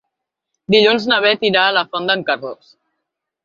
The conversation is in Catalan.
Dilluns na Beth irà a la Font d'en Carròs.